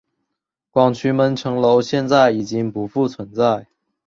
广渠门城楼现在已经不复存在。